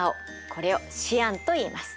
これをシアンといいます。